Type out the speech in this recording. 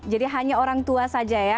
jadi hanya orang tua saja ya